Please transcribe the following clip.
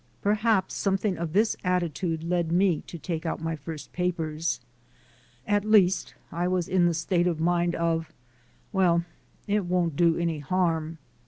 Perhaps something of this atti tude led me to take out my h'rst papers; at least I was in the state of mind of "well it won't do any harm."